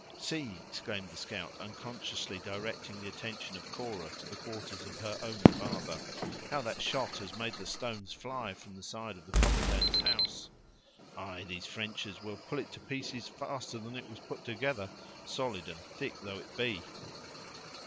"See!" exclaimed the scout, unconsciously directing the attention of Cora to the quarters of her own father, "how that shot has made the stones fly from the side of the commandant's house! Ay! these Frenchers will pull it to pieces faster than it was put together, solid and thick though it be!"